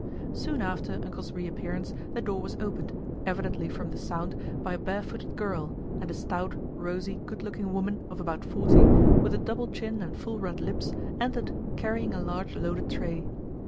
Soon after "Uncle's" reappearance the door was opened, evidently from the sound by a barefooted girl, and a stout, rosy, good looking woman of about forty, with a double chin and full red lips, entered carrying a large loaded tray.